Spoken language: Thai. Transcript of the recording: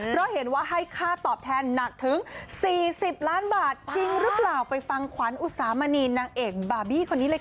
เพราะเห็นว่าให้ค่าตอบแทนหนักถึง๔๐ล้านบาทจริงหรือเปล่าไปฟังขวัญอุสามณีนางเอกบาร์บี้คนนี้เลยค่ะ